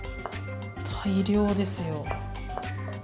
大量ですよ。